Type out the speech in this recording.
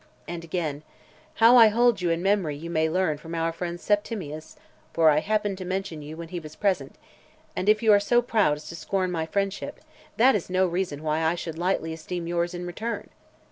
And again: "How I hold you in memory you may learn (542) from our friend Septimius , for I happened to mention you when he was present. And if you are so proud as to scorn my friendship, that is no reason why I should lightly esteem yours, in return."